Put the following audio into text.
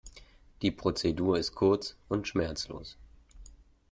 Die Prozedur ist kurz und schmerzlos.